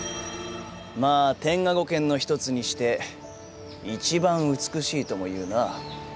まあ天下五剣の一つにして一番美しいとも言うな。